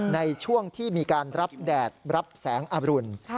ในช่วงที่มีการรับแดดรับแสงอรุณ